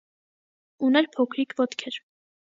Ուներ փոքրիկ ոտքեր։